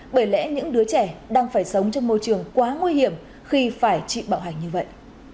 bởi lẽ những đứa trẻ đang phải sống trong môi trường quá nguy hiểm khi phải chịu bạo hành như vậy